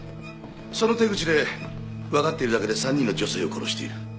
その手口でわかっているだけで３人の女性を殺している。